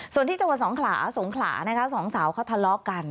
ส่วนที่จังหวัดสงขลาสงขลานะคะสองสาวเขาทะเลาะกัน